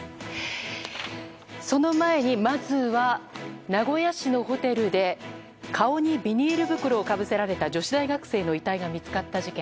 その前にまずは名古屋市のホテルで顔にビニール袋をかぶせられた女子大学生の遺体が見つかった事件。